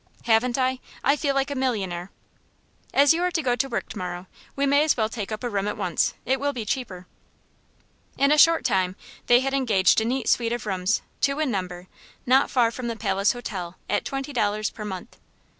"Haven't I? I feel like a millionaire." "As you are to go to work to morrow, we may as well take up a room at once. It will be cheaper." In a short time they had engaged a neat suite of rooms, two in number, not far from the Palace Hotel, at twenty dollars per month.